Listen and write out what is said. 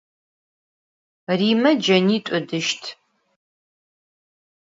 Rime cenit'u ıdışt.